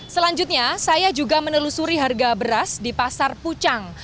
selanjutnya saya juga menelusuri harga beras di pasar pucang